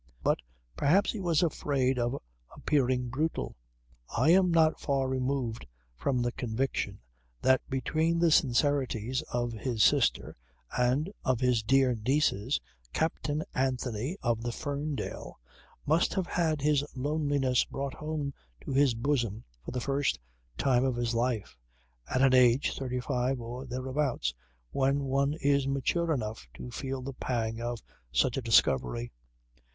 But perhaps he was afraid of appearing brutal. I am not far removed from the conviction that between the sincerities of his sister and of his dear nieces, Captain Anthony of the Ferndale must have had his loneliness brought home to his bosom for the first time of his life, at an age, thirty five or thereabouts, when one is mature enough to feel the pang of such a discovery.